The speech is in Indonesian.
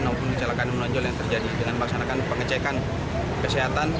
maupun kecelakaan menonjol yang terjadi dengan melaksanakan pengecekan kesehatan